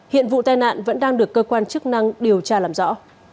hiện vụ tai nạn vẫn đang được cơ quan chức năng điều tra làm rõ